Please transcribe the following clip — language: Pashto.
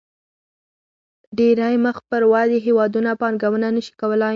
ډېری مخ پر ودې هېوادونه پانګونه نه شي کولای.